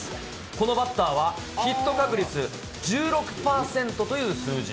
このバッターはヒット確率１６％という数字。